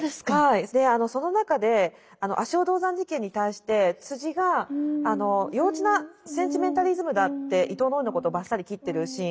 その中で足尾銅山事件に対してが「幼稚なセンチメンタリズムだ」って伊藤野枝のことをばっさり切ってるシーン